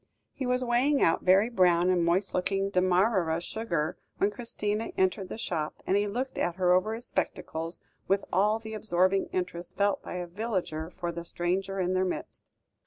He was weighing out very brown and moist looking Demarara sugar when Christina entered the shop, and he looked at her over his spectacles, with all the absorbing interest felt by a villager for the stranger in their midst.